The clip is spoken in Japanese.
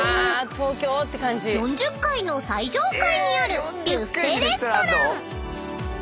［４０階の最上階にあるビュッフェレストラン］